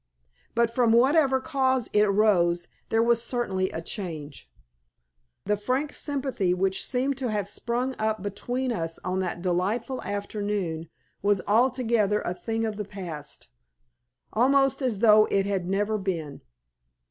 But from whatever cause it arose there was certainly a change. The frank sympathy which seemed to have sprung up between us on that delightful afternoon was altogether a thing of the past, almost as though it had never been.